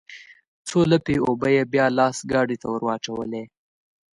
څو لپې اوبه يې بيا لاس ګاډي ته ورواچولې.